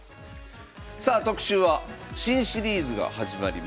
さあ特集は新シリーズが始まります。